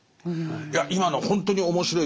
いや今のほんとに面白い。